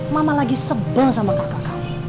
mama lagi sebel sama kakak kamu